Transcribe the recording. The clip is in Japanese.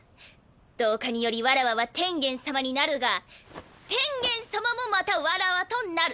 同化によりわらわは天元様になるが天元様もまたわらわとなる。